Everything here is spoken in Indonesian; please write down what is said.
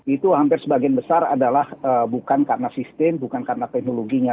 itu hampir sebagian besar adalah bukan karena sistem bukan karena teknologinya